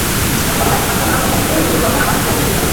তাতে বলা হয়, পাটপণ্য আমদানিকারকদের নতুন ফরমে আবার লাইসেন্স নিতে হবে।